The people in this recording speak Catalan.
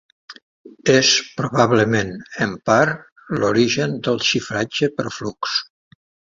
És probablement en part l'origen del xifratge per flux.